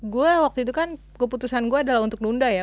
gue waktu itu kan keputusan gue adalah untuk nunda ya